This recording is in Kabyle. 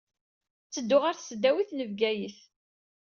Ttedduɣ ɣer Tesdawit n Bgayet.